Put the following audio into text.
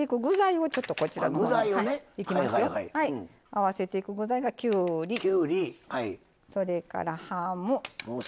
合わせていく具材がきゅうりそれからハム。